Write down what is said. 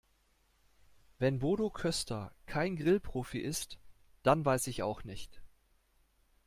Wenn Bodo Köster kein Grillprofi ist, dann weiß ich auch nicht.